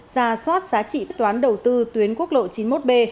ra soát giá trị quyết toán đầu tư tuyến quốc lộ chín mươi một b